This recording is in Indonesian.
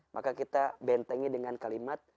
maka kita bentengi dengan kalimat